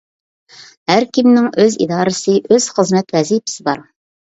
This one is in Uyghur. ھەر كىمنىڭ ئۆز ئىدارىسى، ئۆز خىزمەت ۋەزىپىسى بار.